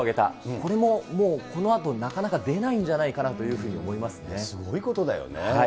これももう、このあと、なかなか出ないんじゃないかなというふうすごいことだよね。